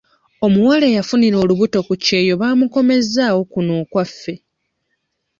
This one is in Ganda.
Omuwala eyafunira olubuto ku kyeyo bamukomezzaawo kuno okwaffe.